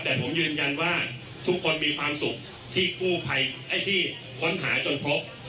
แต่ผมยืนยันว่าทุกคนมีความสุขที่ค้นหาจนพบ